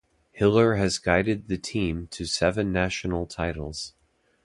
Hiller has guided the team to seven National Titles.